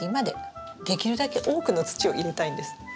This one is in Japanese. できるだけ多くの土を入れたいんです。